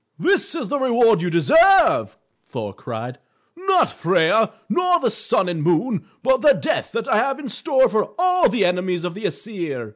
"This is the reward you deserve!" Thor cried. "Not Freia nor the Sun and Moon, but the death that I have in store for all the enemies of the Æsir."